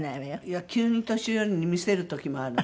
いや急に年寄りに見せる時もあるの。